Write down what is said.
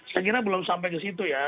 saya kira belum sampai ke situ ya